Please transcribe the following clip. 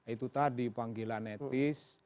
itu tadi panggilan etis